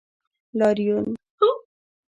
لاریون